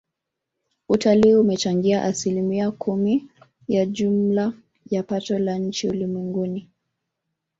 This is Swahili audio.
Utalii umechangia asilimia kumi ya jumla ya pato la nchi zote ulimwenguni